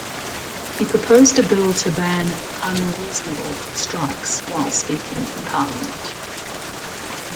He proposed a bill to ban 'unreasonable' strikes while speaking in Parliament.